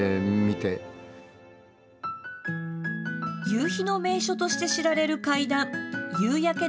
夕日の名所として知られる階段夕やけ